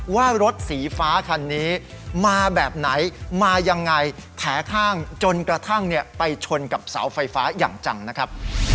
ว่ารถสีฟ้าคันนี้มาแบบไหนมายังไงแผลข้างจนกระทั่งไปชนกับเสาไฟฟ้าอย่างจังนะครับ